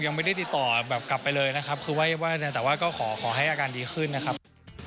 ยังไม่ได้ติดต่อแบบกลับไปเลยนะครับคือว่าแต่ว่าก็ขอให้อาการดีขึ้นนะครับ